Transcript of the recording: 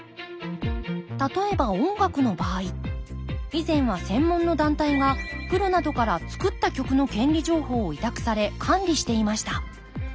例えば音楽の場合以前は専門の団体がプロなどから作った曲の権利情報を委託され管理していました。